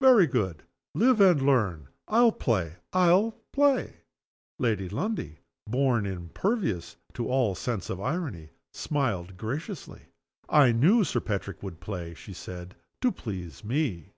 Very good. Live and learn. I'll play! I'll play!" Lady Lundie (born impervious to all sense of irony) smiled graciously. "I knew Sir Patrick would play," she said, "to please me."